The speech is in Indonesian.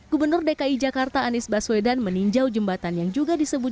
gubernur dki jakarta anies baswedan meninjau jembatan yang juga disebut